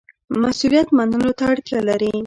مسوولیت منلو ته اړتیا لري